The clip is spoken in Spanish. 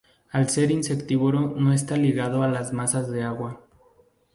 Al ser insectívoro no está ligado a las masas de agua.